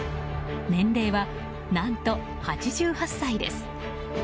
年齢は何と８８歳です。